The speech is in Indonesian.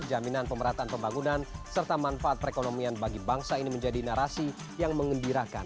jaminan pemerataan pembangunan serta manfaat perekonomian bagi bangsa ini menjadi narasi yang mengembirakan